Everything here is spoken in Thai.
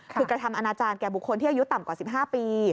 คือกระทำอนาจารย์แก่บุคคลที่อายุต่ำกว่า๑๕ปี